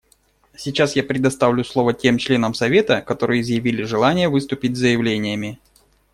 Сейчас я предоставлю слово тем членам Совета, которые изъявили желание выступить с заявлениями.